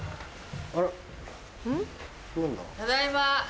ただいま。